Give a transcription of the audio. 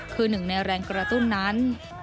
คือหนึ่งในแรงกระตุ้นนั้น